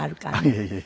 いえいえ。